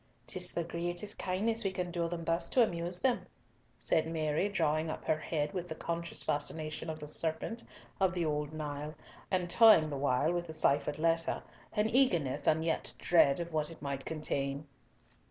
'Tis the greatest kindness we can do them thus to amuse them," said Mary, drawing up her head with the conscious fascination of the serpent of old Nile, and toying the while with the ciphered letter, in eagerness, and yet dread, of what it might contain.